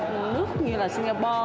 nước như là singapore